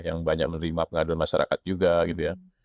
yang banyak menerima pengaduan masyarakat juga gitu ya